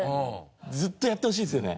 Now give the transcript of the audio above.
ずっとやってほしいですよね。